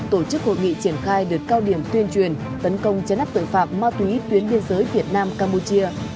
tổ chức hội nghị triển khai đợt cao điểm tuyên truyền tấn công chấn áp tội phạm ma túy tuyến biên giới việt nam campuchia